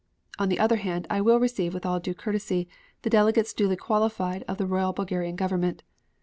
On the other hand, I will receive with all due courtesy the delegates duly qualified of the Royal Bulgarian Government."